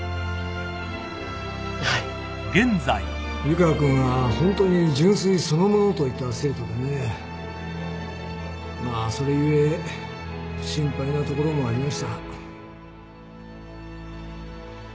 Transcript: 湯川君は本当に純粋そのものといった生徒でねまあそれ故心配なところもありました。